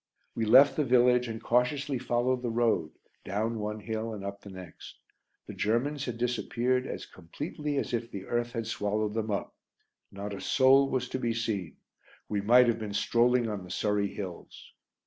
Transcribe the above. We left the village and cautiously followed the road down one hill and up the next. The Germans had disappeared as completely as if the earth had swallowed them up. Not a soul was to be seen; we might have been strolling on the Surrey hills!